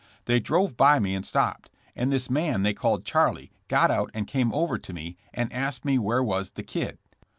They drove by me and stopped, and this man they called Charlie got out and came over to me and asked me where was the *Kid.'